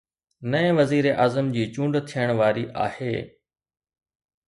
نئين وزيراعظم جي چونڊ ٿيڻ واري آهي.